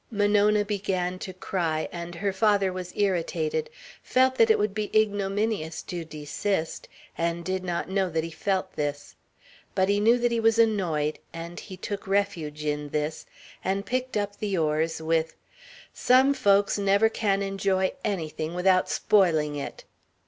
Monona began to cry, and her father was irritated, felt that it would be ignominious to desist, and did not know that he felt this. But he knew that he was annoyed, and he took refuge in this, and picked up the oars with: "Some folks never can enjoy anything without spoiling it."